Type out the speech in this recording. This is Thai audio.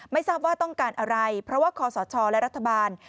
ไม่ทราบว่าต้องการอะไรเพราะว่าคอสชและรัฐบาล